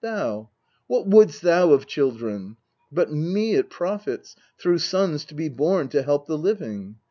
Thou, what wouldst thou of children ? But me it profits, through sons to be born To help the living.